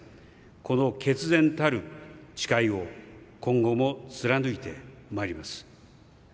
この決然たる誓いを今後も貫いてまいります。